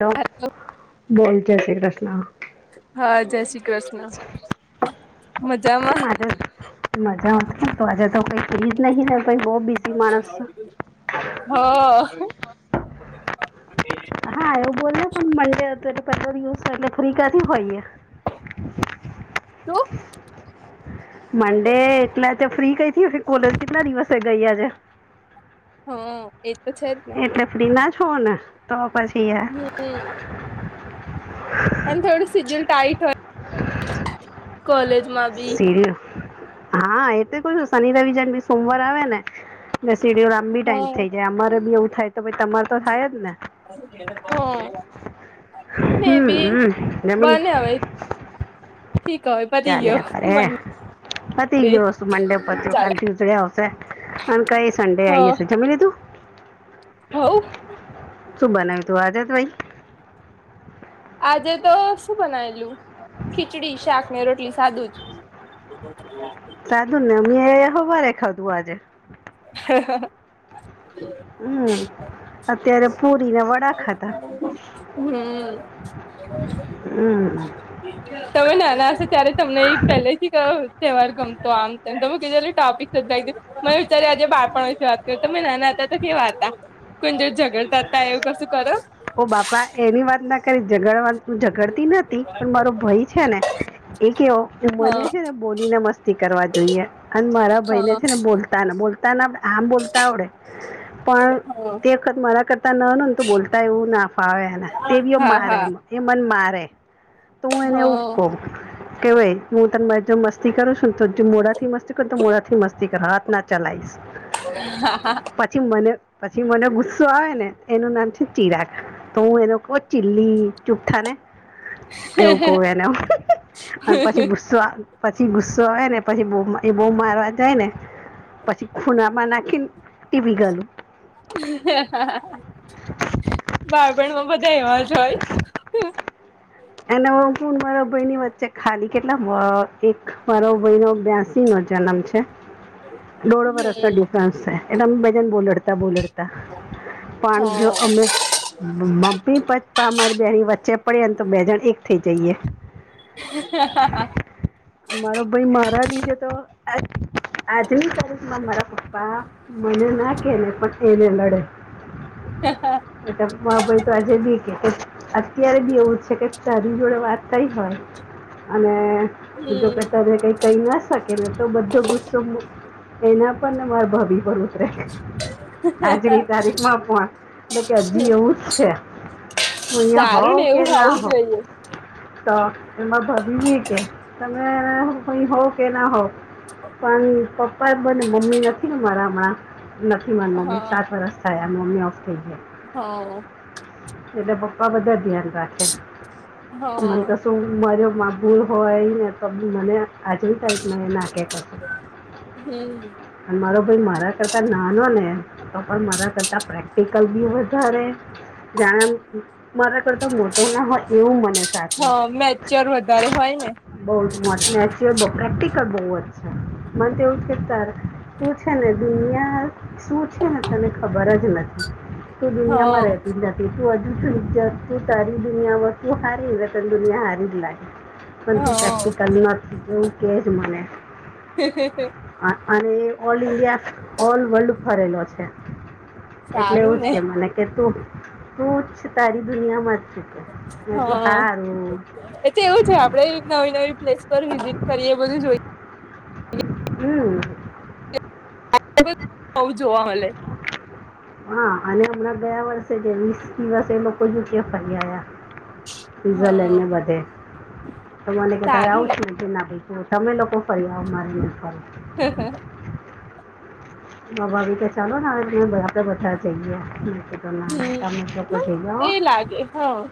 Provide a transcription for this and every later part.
Hello hello બોલ જય શ્રી કૃષ્ણ. હા, જય શ્રી કૃષ્ણ. મજામાં? કેમ આજે મજા આવતી તો આજે તો કોઈ ખરીદલા ગેલા હો. હા એવું બોલ ને પણ મલે અગર પેપર યુઝ હોય એટલે ફ્રી કાથી હોય એ. તું મંડે એટલાતો ફ્રી કઈથી કોલેજ કેટલા દિવસે ગઈ આજે? હો એ તો છે જ ને. એટલે ફ્રી ના છો ને તો પછી યાર હમ્મ. અને થોડું સીડીયુલ ટાઈટ હોય [inaudible] કોલેજ માં સીડીયુલ? હા એ તો કેવું છું શનિ રવિ જ્યારેભી સોમવાર આવે ને એટલે સીડીયુલ્ટ આપ લાંબી હ ટાઈમ થઈ જાય અમારે બી એવું થાય તો તમાર તો થાય જ ને. હ ને બી હમ્મ અમ્મ જમી લી? બને હવે ઠીક હવે પતી ગયો ચાલ્યા કરે મંડે પતિ ગયો મંડે પત્યો ચાલે કાલે રિયુશડે આવશે. અને કરી સંડે આવી જશે જમી લીધું? હઉ. શું બનાવ્યું તું આજે તો ભાઈ આજે તો શું બનાવેલું ખીચડી શાક ને રોટલી સાદું જ. [inaudible] સાદુ જ ને મેં હવારે ખાધું આજે. હ હ હા હમ્મ અત્યારે પુરીને વડા ખાધા. હમ હમ્મ. તમે નાના હશો ત્યારે તમને એ પહેલે થી કયો તહેવાર ગમતો આમ તેમ તમે કીધું ટોપીક શોધી મેં વિચાર્યું કે આજે બાળપણ વિશે વાત તે તમે નાના હતા ત્યારે કેવા હતા કોઈ જોડે ઝગડતા તા એવું કસું કરો? ઓ બાપા એની વાત ના કરીશ ઝગડવા ઝગડતી નથી પણ મારો ભાઈ છે ને એ કેવો કે મને હા છે ને બોલીને મસ્તી કરવા જોઈએ અને મારા ભાઈ ને છે ને બોલતા ને બોલ [unintelligible] આમ બોલતા આવડે પણ તે વખત મારા કરતા નાનો ને તો બોલતા તા એવું ના ફાવે એને, તેવીઓ હા હા મારે હા એમાં, એ મન મારે તો હું એને એવું હા કઉ કે ઓઇ હું તને [unintelligible] મસ્ત મસ્તી કરો છો ને તો જો મોઢાથી મસ્તી કરો તો મોઢાથી મસ્તી કરો, હાથ ના ચલાઈશ. હા હા પાછી મને પછી મને ગુસ્સો આવે ને એનું નામ છે ચિરાગ, તો હું એને કઉ ઓ ચિલ્લી ચુપ થા ને. તેવું કઉં એને, અને પછી ગુસ્સો આ પછી ગુસ્સો આવે ને પછી બઉં એ બહુ મારવા જાય ને પછી ખૂણામાં નાખી ન, ટીપી ઘાલું. બાળપણમાં બધા એવા જ હોય. એના હું ને મારા ભઈની વચ્ચે ખાલી કેટલા, અહ, એક મારો ભઈનો બ્યાસીનો જનમ છે. [unintelligible] દોઢ વર્ષનો હમ ડિફરન્સ છે, એટલે અમે બે જન બોવ લડ તા, બવુ લડતા પણ જો હા અમે મ-મમ્મી, પપ્પા અમારી બેહની વચ્ચે પડે ને તો બે જણ એક થઇ જઈએ. હ હા હા મારો ભઈ મારા લીધે તો [unintelligible] આજની તારીખમાં મારા પપ્પા મને ના કેહેને પણ એને લડે હ હા હા એ [unintelligible] ભાઈ તો આજે બી કે અત્યારે બી એવું જ છે કે તારી જોડે વાત થઇ હોય અને જોકે હમ તને કહી કઇ ન શક કે એ તો બધો ગુસ્સો મૂક, એના પર અને મારા ભાભી પર [unintelligible] આજની તારીખમાં પણ એટલે કે હજી એવું જ છે. હું અહિયાં સારું ને હોવ કે એવું હોવું ન જોઈએ તો એમાં ભાભી ભી કે તમે અહીં હોવ કે ના હોવ પણ પપ્પા બને, મમ્મી નથી ને મારા હમણાં, નથી મારાં મમ્મી સાત વરસ થયા મમ્મી ઓફ થઈ ગયા. હવ એટલે પપ્પા બધા ધ્યાન રાખે, હા મન તો તો હું મારોમા ભૂલ હોય એ ને તો બી મને આજની તારીખમાં એ ના કેહ કશું [unintelligible] હમ્મ અને મારો ભાઈ મારા કરતા નાનોને તો પણ મારા કરતા પ્રેક્ટિકલ બી વધારે જાણે એમ, મારા કરતા મોટો ના હોય એવું મને હ, મેચ્યોર વધારે હોય ને. બઉં જ, [inaudible] પ્રેક્ટિકલ બૌજ છે, મને તો એવું જ કે તાર તું છે ને દુનિયા શું છે ને તને ખબર જ નથી. તું હા દુનિયામાં રહેતી જ નથી, તું હજુ સુધી [inaudible] તારી દુનિયામાં તું હારી ને એટલે તને દુનિયા હારી જ લાગે, પણ તું હા પ્રેક્ટિકલ ન એવું કે છે મને. અ-અને, ઓલ ઇન્ડિયા ઓલ વર્લ્ડ ફરેલો છે. એટલે એવું સારું જ ને કે મને કે તું, તું જ તારી દુનિયામાં જ છુ કે. મેં કે હા હારું એ તો એવું છે આપડે નવી નવી પ્લેસ પર વિઝિટ કરીએ બધું જોઈ હમ્મ. [inaudible] બવ જોવા મળે. હા અને હમણાં ગયા વર્ષે જે વીસ દિવસે એ લોકો ક્યા ફરી આયા. ને હા બધે મને કે તારે સારું આવું ને છે? એ ના ભાઈ તમે લોકો ફરિયાવો મારે નઈ ફરવું. માર ભાભી કે ચાલો ને હવે આપડે બધા જઈએ. ના ના તમેટ લોકો હમ જઈ આવો. એ લાગે. હા.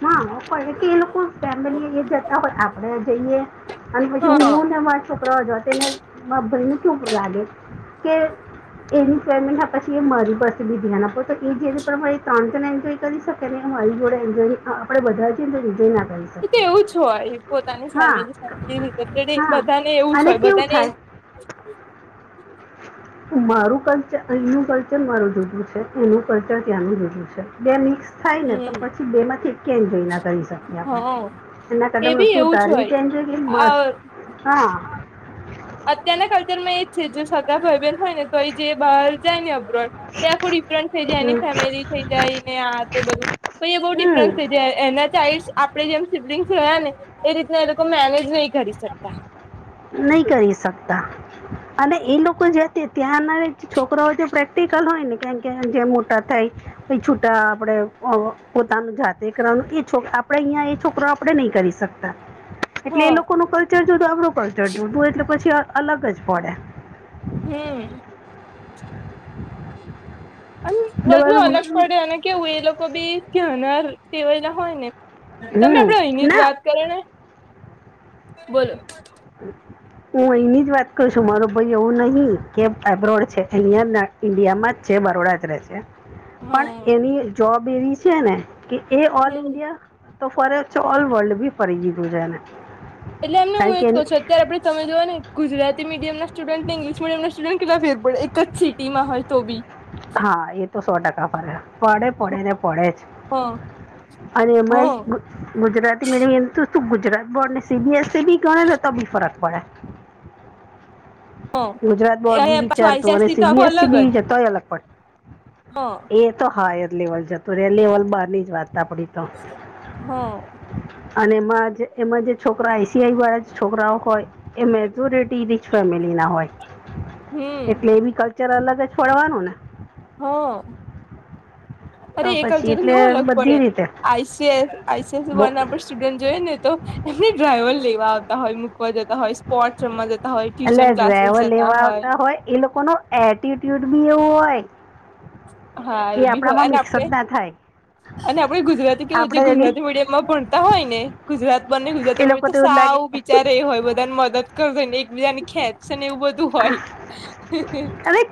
હા પણ કે એ લોકો ફેમિલી જતા હોય આપણેે જઈએ. અને પછી હા હું ને મારા છોકરાઓ જો તેને ભાઈને કેવુ લાગે કે એની પેમેન્ટ પછી એ મારી પાસે બી ધ્યાન આપો તો એ જે પ્રમાણે ત્રણ તણ એમ જો કરી શકે ને એવુ મારી જોડે એન્જોય આપણે બધા જ અંદર એન્જો ના કરીશ. એ તો એવું જ હોય પોતાની ફેમિલી ફેમિલી રિલેટેડ હા બધાને એવું જ અને હોય કેવું બધાને થાય [inaudible] તો મારું કલ્ચર અહીનું કલ્ચર મારું જુદું છે એનું કલ્ચર ત્યાંનું જુદું છે બે મિક્સ થાય ને તો હમ પછી બે માંથી કેમ જોઈ ના કરીશ. હા એના એ કદમ બી તુ એવું જ તારીવીતે હોય છે કે મત, આ હા. અત્યારના કલ્ચર માં એજ છે જે સગા ભાઈ બહેન હોય ને તો એ જે બહાર જાય ને અબ્રોડ એ આખું ડિફરન્સ થઈ જાય છે એની હમ, ફેમિલી થઈ જાય ને આ તે બધું તો એ બહુ ડિફરન્સ થ હમ એના ત્યાં આઇલ્ આપે જેમ સિબલિંગ્સ જોયા ને એ રીતના એ લોકો મેનેજ નહી કરી શકતા. નહી કરી શકતા. અને એ લોકો જતે ત્યાંના છોકરા હોય ત પ્રેક્ટિકલ હોય ને કેમ કે જે મોટા થાય. પ છૂટા આપડે પોતાનું જાતે કરવાનું એ છોક આપડે અહિયાં એ છોકરો આપડે નહી કરી શકતા. [unintelligible] એટલે એ લોકો નું કલ્ચર જુદુ આપણું કલ્ચર જુદુ એટલે પછી અલગ જ પડે. હમ્મ. અને એટલે બધું અલગ બરોબર પડે અને કેવુ એ લોકો બી કનાર પવાયલા હોય ને તમે હમ આપડે અહીની જ ના વાત કરો ને, બોલો. હું અહીની જ વાત કર છું મારો ભાઈ એવું નહી કે આબ્રોડ છે અહિયાં ઇન્ડિયામાં જ છે બરોડા જ રહે છે. પણ હા એની જોબ એવી છે ને કે એ ઓલ હમ ઇન્ડિયા તો ફર છે ઓલ વર્લ્ડ બી ફરી દીધું છે એણે. એટલે એમને ઉમેદ કહું છું અત આપે સામે જોવા ગુજરાતી મીડિયમના સ્ટુડન્ટ ઇંગ્લીશ મડિયમ ના સ્ટુડન્ટ કેટલા ફેર પડે એક જ સિટીમાં હોય તો બી. હા એ તો સો ટકા ફરે પડે પડે ને પડે હ અને હ હ એમાંય ગુજરાતી મિડિયમ [unintelligible] ગુજરાત બોર્ડ ને C B S C B ગણે ને તો બી ફરક પડે. ગુજરાત બોર્ડ એ બી પાછું વિચારતું અને આઈસીએસસી સી તો બી આખું એસ સી અલગ જ બી જતાય અલગ પડે. હ. એ તો હા એર લેવલ જતું રે લેવલ બારની જ વાત આપડી તો. હા. અને એમાં એમાં જે છોકરા એશી આઈ વાળા છોકરાઓ હોય એ મેજોરિટી રીચ ફેમિલીના હોય. એટલે એ બી કલ્ચર અલગ જ પડવાનું ને, હ અરે તો એકલજ પછી તો એટલે કેવું અલગ પડે બધી રીતે આઈસીએસ બો આઈસીએસના સ્ટુડન્ટ જોઈ ને તો એમને ડ્રાઈવર લેવા આવતા હોય, મૂકવા જતા હોય સ્પોટ રમ એટલે ડ્રાઈવર લેવા આવતા હોય એ લોકો ન એટીટ્યુડ બી એવું હોય. હા એ બી હોય આપણામાં અને મિક્સ આપડે. જ ના થાય અને આપડે ગુજરાતી કેવું જે આપણે એની ગુજરાતી મીડિયમમાં ભણતા હોય ને ગુજરાત બંને ગુજરાત એ લોકો તો એવું જ સાવું લાગે બિચા એ હોય બધાને મદદ કરજ ને એક બીજાની ખેત [unintelligible] એવું બધું હોય. હવે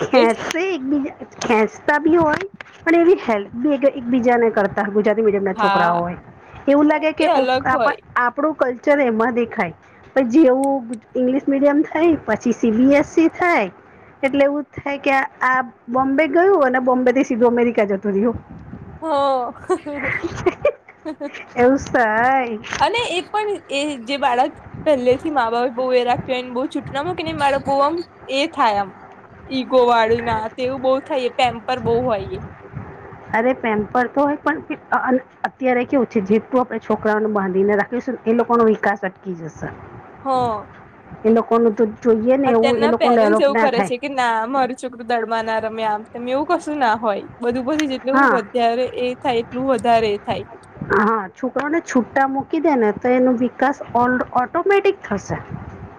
[unintelligible] ખેંચતા બી હોય પણ એ હેલ્પ બી એકબીજાને કર ગુજરાતી મીડિમ ના છોકરાઓ હા હોય, એવું લાગે કે, એ અલગ હોય આપણું કલ્ચર એમાં દેખાય. પઇ જેવું ઈંગ્લિશ મીડિયમ થાય પછી સી બી એસ સી થાય. એટલે એવું થાય કે આ બોમ્બે ગયું અને બોમ્બે થી સીધું અમેરિકા જતું રહ્યું. હ એવુંસ. અને એ પણ એ જે બાળક, પહેલે થી મા બાએ બહુ એ રાખ્યુંને બહુ છૂટ ના મૂકી ને મારા બહુ આમ એ થાય આમ. ઈગોવાળું ના તેવું બઉ થાય બહુ [unintelligible] હોયએ અરે પેમ્પર તો હોય પણ અત્યારે કેવું છે જેટું આપડે છોકરાઓને બાંધીને રાખ ઈ લોકો નો વિકાસ અટકી જશે હ એ તો, જોઈએ ને એવું એ અત્યારના લોકોને પેરેન્ટ્સ ડેવલોપ એવું ના કરે થાય. છે કે ના મારું છોકરું દડવાના રમેયા આમ તમે એવું કશું ના હોય બધું બધું. એટલું હા વધારે એ થાય એટલું વધારે એ થાય. હા છોકરાને છુટ્ટા મૂકી દે ને તો એનો વિકાસ ઓ ઓટોમેટિક થશે.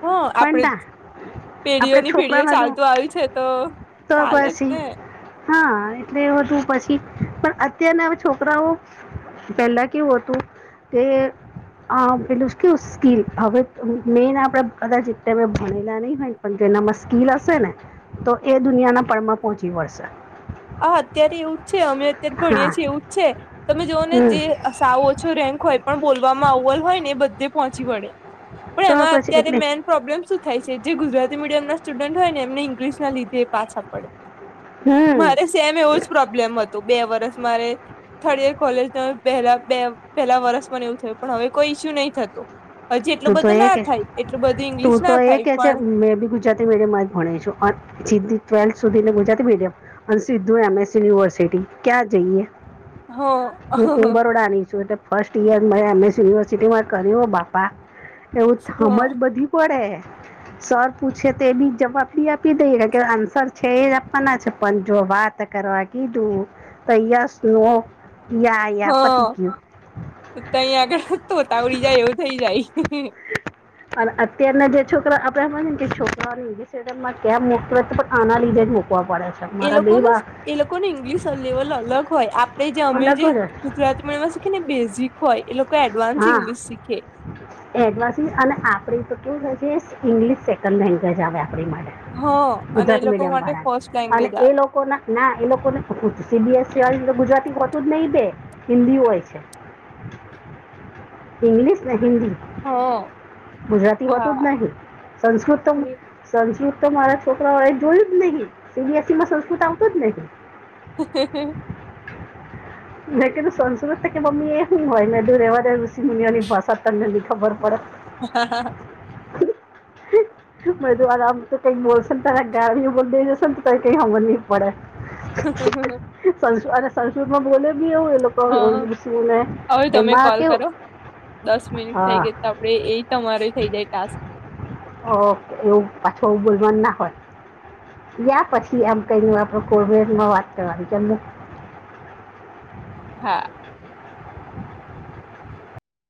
હ પણ આપડે. ના પેઢીઓ આપણે ની પેઢીઓ છોકરાના જો ચાલતું આવ્યુ છે તો તો ચાલે જ પછી ને, હા બે હોટુ પછી પણ અત્યારના હવે છોકરાઓ પેલા કેવું હતું? તે અં પેલુ સ્કેવુ સ્કીલ હવે મેન આપણેે કદાચ તમે ભણેલા નઇ હોય. પન તેનામાં સ્કીલ હશે ને તો એ દુનિયાના પળમાં પોચી વળશે. અ અત્યારે એવું છે અમે અત્યારે ભણીએ હા છે એવું છે તમે જોઓને હમ જે, સાવ ઓછુ રેન્ક હોય પણ બોલવામાં ઓવલ હોય ને એ બધે, પોચી વળે પણ તો એમાં પછી અત્યારે એટલે મેન, પ્રોબ્લેમ શું થાય છે જે ગુજરાતી મીડયમ ના સ્ટુડન્ટ હોય એમને ઈંકલિશ ના લીધે એ પાછા પડે. હમ મારે સેમ એવો જ પ્રોબ્લેમ હતુ. બે વરસ મારે. થર્ડ યર કોલેજ પહેરા બે પહેલા વરસ મને એવું થયું પણ કોઈ ઈસ્યુ નઇ થતુ. હજી એટલું તું તો બધૂ એ ના કે થાય એટલું બધું ઈંગ્લિસ ના થાય પણ, [unintelligible] જાતી મીડિયમમાં જ ભણે છો અં જીદી ટ્વેલ્થ સુધી ગુજરાતી મીડિયમ. અને સિદ્ધુ એમએસ યુનિવર્સિટી ક્યાં જઈએ? હ હું હું બરોડા ની છું એટ ફસ્ટ યીયર મેં એમ એસ યુનિવર્સિટીમાં કર્યું ઓ બાપા [unintelligible] બધી પડે સર પૂછે તેબી જવાબ બી આપી દઈએ કાનકે આન્સર છે એ આપવાના છે પન જો વાત કરવા કીધું તો યસ નો યા યા પતિ ગ્યું. તો તઈ આગડ તોતા વડી જાય એવું થઇ જાય. અન અત્યારના જે છોકરા આપરા હોય ને કે છોકરાઓને લીધે [unintelligible] તો આના લીધે જ મોક તો પડે છ એ લોકોનેશ એ લોકોને ઇંગ્લિશ અલેવલ અલક હોય આપે જે અમે જે અલગ જ ગુજરાતીમાં એમાં શીખે ને બેઝિક હોય એ લોકો એડવાન્સ ઇંગ્લિશ શીખે. એડવાસી અને આપળી તો કેવું હોય છે સિગ્લિશ સેકન્ડ લેંગ્વેજ આવે આપણી માટે. હ અને એ ગુજરાતી લોકો મીડિયમ માટે ફર્સ્ટ વાળા અને લેંગ્વેજ એ આવે લોક કોના ના એ લોકોને સીબીએસી આવી રીતે ગુજરાતી હોતું જ નહી બે હિન્દી હોય છે. ઇંગ્લિશ ને હિન્દી ગુજરાતી હ હોતું દ નહી સંસ્કૃત તો સંસ્રુત તો મારા છોકરા ઓએ જોયું દ નહી સીબીએસી માં સંસ્કૃત આવતુ જ નહી. [unintelligible] મે કીધું સંશ્રુત તોકે મમ્મી એ હું હોય મે [unintelligible] રેવાદેન ઋષિ મુનિયોની ભાષા તનેબી ખબર પળે. ઉહ હા હા હા. મેંધુ આરામ તો કઈ બોલશે ન તારા ગાળીયુ પર બેહી જસેન તો ત કઈ હમજ નહી પળે હા પણ શું આને સંસ્કૃત માં બોલે બી એવું એ લોકો [unintelligible] તો તમે કોલ કેવું કર્યો દસ મિનિટ થઈ હા ગઈ તો આપડે એ તમારે થઈ જાય ટાસ્ક. અ એવું પાછુ આવુ બોલવાનું ના હોય. યા પછી આમ [unintelligible] હા.